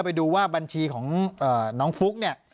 ปากกับภาคภูมิ